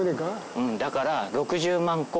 うんだから。